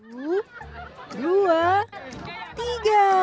satu dua tiga